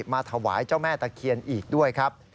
มาถวายเจ้าแม่ตะเคียนอีกด้วยครับ